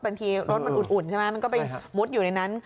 บางทีรถมันอุ่นใช่ไหมมันก็ไปมุดอยู่ในนั้น